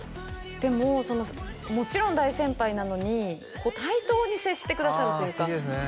でももちろん大先輩なのに対等に接してくださるというかああ素敵ですね